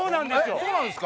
そうなんすか？